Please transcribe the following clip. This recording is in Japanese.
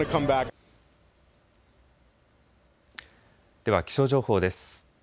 では気象情報です。